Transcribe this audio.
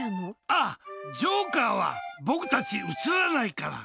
あっ、ジョーカーは僕たち、写らないから。